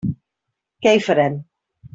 Què hi farem.